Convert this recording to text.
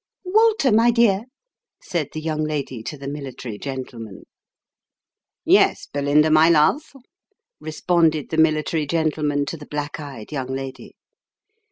" Walter, my dear," said the young lady to the military gentleman. " Yes, Belinda, my love," responded the military gentleman to the black eyed young lady.